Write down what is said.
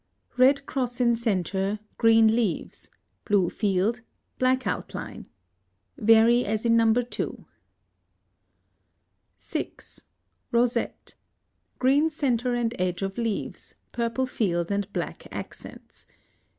Red cross in centre, green leaves: blue field, black outline. Vary as in No. 2. 6. Rosette. Green centre and edge of leaves, purple field and black accents.